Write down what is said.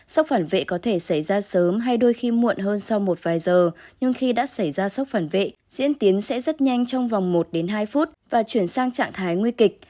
sốc phản vệ có thể xảy ra sớm hay đôi khi muộn hơn sau một vài giờ nhưng khi đã xảy ra sốc phản vệ diễn tiến sẽ rất nhanh trong vòng một đến hai phút và chuyển sang trạng thái nguy kịch